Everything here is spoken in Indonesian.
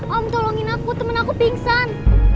om tolongin aku temen aku pingsan